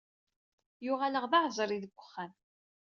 Yuɣal-aɣ d aɛezri deg uxxam.